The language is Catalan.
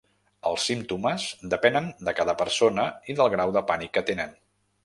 Els símptomes depenen de cada persona i del grau de pànic que tenen.